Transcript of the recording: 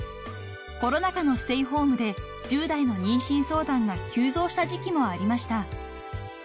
［コロナ禍のステイホームで１０代の妊娠相談が急増した時期もありました］